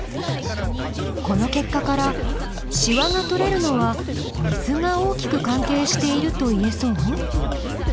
この結果からしわが取れるのは水が大きく関係しているといえそう？